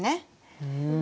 ふん。